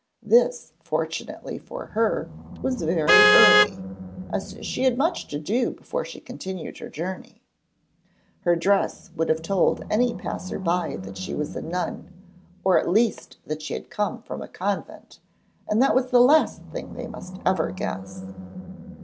This, fortunately for her, was very early, as she had much to do before she continued her journey. Her dress would have told any passer by that she was a nun, or at least that she had come from a convent, and that was the last thing they must ever guess!